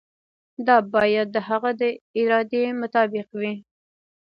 دا باید د هغه د ارادې مطابق وي.